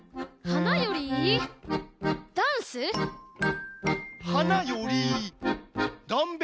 「花よりダンベル！」